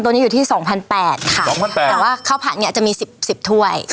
แต่ว่าข้าวผักจะมี๑๐ถ้วย